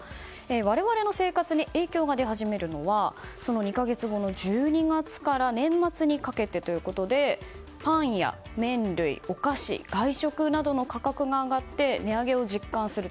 我々の生活に影響が出始めるのはその２か月後、１２月から年末にかけてということでパンや麺類、お菓子外食などの価格が上がって値上げを実感すると。